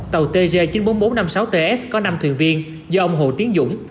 tàu tg chín mươi bốn nghìn bốn trăm năm mươi sáu ts có năm thuyền viên do ông hồ tiến dũng